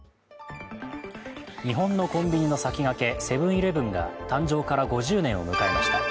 日本のコンビニの先駆け、セブン−イレブンが誕生から５０年を迎えました。